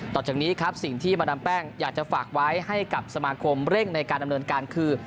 ต่อจากนี้ครับสิ่งที่มาดามแป้งอยากจะฝากไว้ให้กับสมาคมเร่งในการดำเนินการคือ